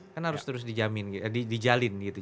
kan harus terus di jalin gitu